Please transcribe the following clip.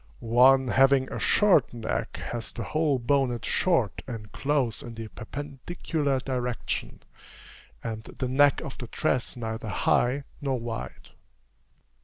One having a short neck has the whole bonnet short and close in the perpendicular direction, and the neck of the dress neither high nor wide.